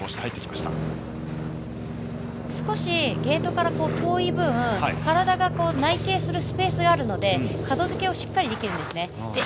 少しゲートから遠い分、体が内傾するスペースがあるので角付けをしっかりできるんです。